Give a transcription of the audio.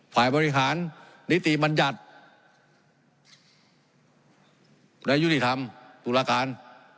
ฝ่ายบริหารนิติบัญญัติและยุติธรรมตุลาการ